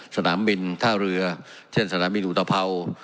สนามบินท่าเรือเช่นสนามบินอุตภัวร์